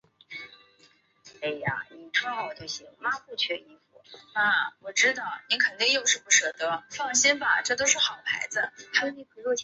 亦有说法认为他在道明寺之役即已战死。